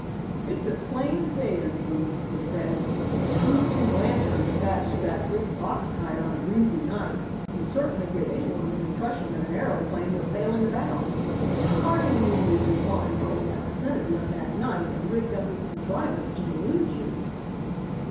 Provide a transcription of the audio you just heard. "It's plain as day to me," he said; "these two lanterns attached to that big box kite on a breezy night would certainly give any one the impression that an aeroplane was sailing about. Harding knew you would be flying home in that vicinity on that night and rigged up this contrivance to delude you."